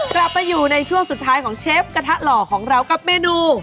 กลับมาอยู่ในช่วงสุดท้ายของเชฟกระทะหล่อของเรากับเมนู